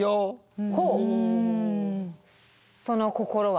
その心は？